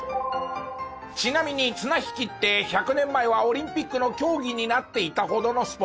ちなみに綱引きって１００年前はオリンピックの競技になっていたほどのスポーツ。